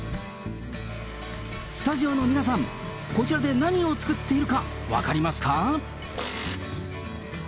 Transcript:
スタジオの皆さん、こちらで何を作っているか、分かりますか。